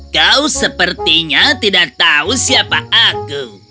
kau sepertinya tidak tahu siapa aku